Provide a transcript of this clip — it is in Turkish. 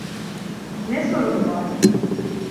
Ne sorunu var?